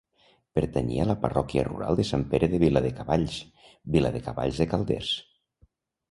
Pertanyia a la parròquia rural de Sant Pere de Viladecavalls, Viladecavalls de Calders.